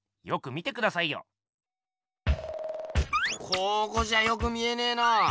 ここじゃよく見えねえな。